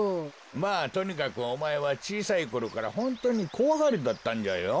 まあとにかくおまえはちいさいころからホントにこわがりだったんじゃよ。